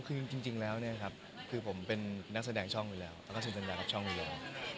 คือจริงแล้วเนี่ยครับคือผมเป็นนักแสดงช่องอยู่แล้วแล้วก็เซ็นสัญญากับช่องอยู่แล้ว